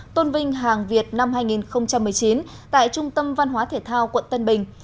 tôn vinh hàng việt năm hai nghìn một mươi chín tại trung tâm văn hóa thể thao quận tân bình